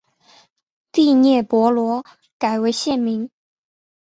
第聂伯罗改为现名。